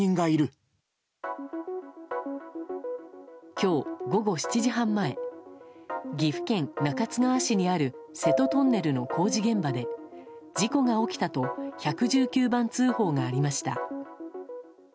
今日午後７時半前岐阜県中津川市にある瀬戸トンネルの工事現場で事故が起きたと１１９番通報がありました。